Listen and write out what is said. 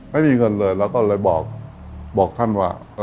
ไม่มีเงินเลยเราก็เลยบอกท่านว่า